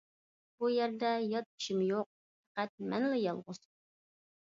بۇ يەردە يات كىشىمۇ يوق، پەقەت مەنلا يالغۇز.